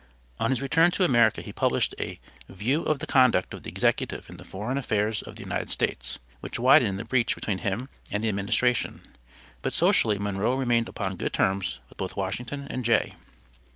On his return to America he published a 'View of the conduct of the Executive in the Foreign Affairs of the United States,' which widened the breach between him and the administration, but socially Monroe remained upon good terms with both Washington and Jay.